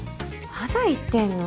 まだ言ってんの？